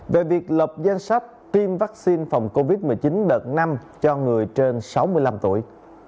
về việc lập danh sách tiêm vaccine phòng covid một mươi chín đợt năm cho người trên sáu mươi năm tuổi